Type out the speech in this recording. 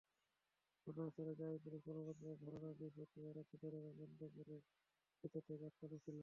ঘটনাস্থলে যাওয়া পুলিশ কর্মকর্তাদের ধারণা, বৃহস্পতিবার রাতে দরজা ভেতর থেকে আটকানো ছিল।